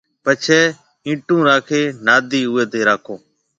پڇيَ ايِنٽون راکيَ نادَي اوئيَ تيَ راکو